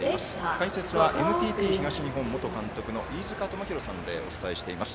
解説は、ＮＴＴ東日本元監督の飯塚智広さんでお伝えしています。